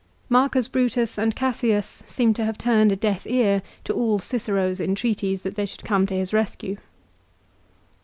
Marcus Brutus and Cassius seem to have turned a deaf ear to all Cicero's entreaties that they should come to his rescue.